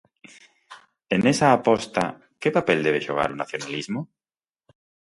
E nesa aposta, que papel debe xogar o nacionalismo?